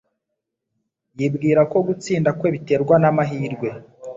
Yibwira ko gutsinda kwe biterwa n'amahirwe.